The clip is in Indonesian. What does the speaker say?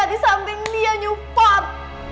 di samping dia nyupar